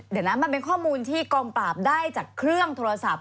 เดี๋ยวนะมันเป็นข้อมูลที่กองปราบได้จากเครื่องโทรศัพท์